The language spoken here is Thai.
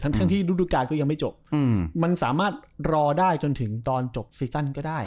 ทั้งที่ฤดูการก็ยังไม่จบมันสามารถรอได้จนถึงตอนจบซีซั่นก็ได้